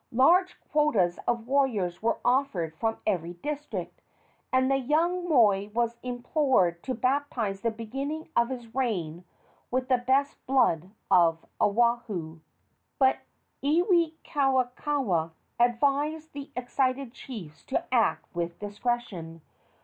Large quotas of warriors were offered from every district, and the young moi was implored to baptize the beginning of his reign with the best blood of Oahu. But Iwikauikaua advised the excited chiefs to act with discretion.